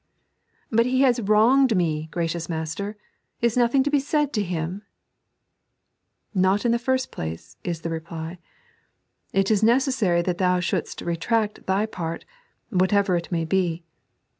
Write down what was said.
" But he has wronged me, gracious Master. Is nothing to be said to him I "" Not in the first place," is the reply. "It is necessary that thon shouldest retract thy part, whatever it may be.